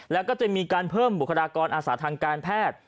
แล้วก็จะมีการเพิ่มบุคลากรอาสาทางการแพทย์